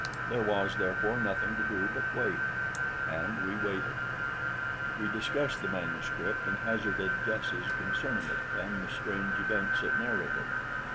There was, therefore, nothing to do but wait, and we waited. We discussed the manuscript and hazarded guesses concerning it and the strange events it narrated.